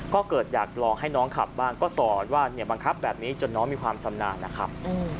ก็เกิดอยากลองให้น้องขับบ้างก็สอนว่าเนี่ยบังคับแบบนี้จนน้องมีความชำนาญนะครับ